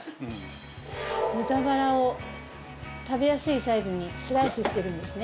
豚バラを食べやすいサイズにスライスしているんですね。